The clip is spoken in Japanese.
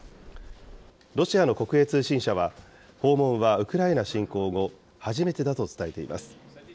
ロシアの国営通信社は、訪問はウクライナ侵攻後、初めてだと伝えています。